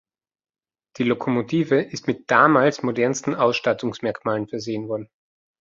Die Lokomotive ist mit damals modernsten Ausstattungsmerkmalen versehen worden.